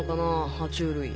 爬虫類。